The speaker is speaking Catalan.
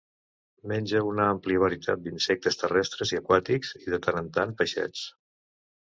Menja una àmplia varietat d'insectes terrestres i aquàtics i, de tant en tant, peixets.